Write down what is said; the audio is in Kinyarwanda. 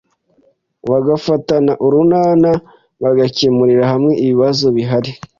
bagafatana urunana bagakemurira hamwe ibibazo bihari